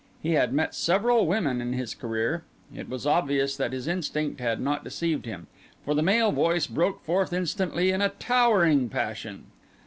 He had met several women in his career. It was obvious that his instinct had not deceived him, for the male voice broke forth instantly in a towering passion.